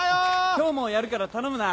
今日もやるから頼むな。